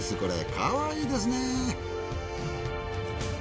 かわいいですね。